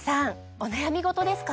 お悩み事ですか？